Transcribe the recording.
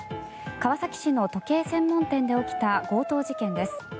川崎市の時計専門店で起きた強盗事件です。